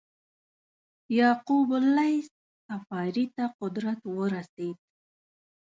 یعقوب اللیث صفاري ته قدرت ورسېد.